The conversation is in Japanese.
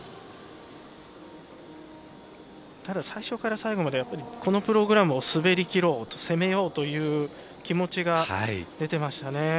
最初から最後までこのプログラムを滑り切ろう攻めようという気持ちが出てましたね。